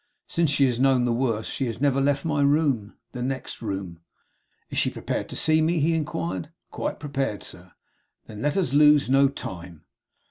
'Since she has known the worst, she has never left my room; the next room.' 'Is she prepared to see me?' he inquired. 'Quite prepared, sir.' 'Then let us lose no time.